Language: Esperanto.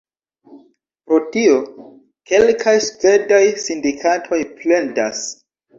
Pro tio, kelkaj svedaj sindikatoj plendas.